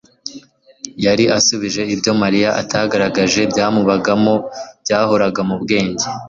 yari asubije ibyo Mariya atagaragaje byamubagamo byahoraga mu bwenge